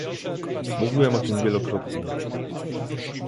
Mówiłem o tym wielokrotnie